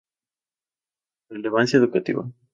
Relevancia educativa.